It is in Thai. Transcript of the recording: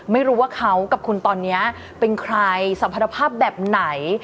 ไม่รู้ว่าเขากับคุณตอนนี้เป็นใครสัมพันธภาพแบบไหน